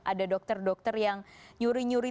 ada dokter dokter yang nyuri nyuri